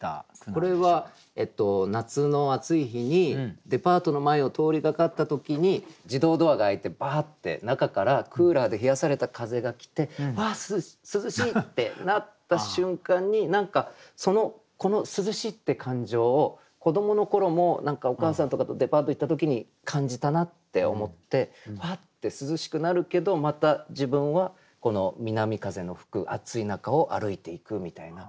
これは夏の暑い日にデパートの前を通りがかった時に自動ドアが開いてバーッて中からクーラーで冷やされた風が来て「わあ！涼しい！」ってなった瞬間に何かこの涼しいって感情を子どもの頃も何かお母さんとかとデパート行った時に感じたなって思ってフワッて涼しくなるけどまた自分はこの南風の吹く暑い中を歩いていくみたいな。